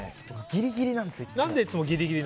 ギリギリなんですよ、いつも。